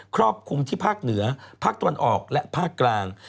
ครอบคลุมที่ภาคเหนือภาคตะวันออกและภาคกลาง